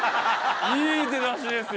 いい出だしですよ。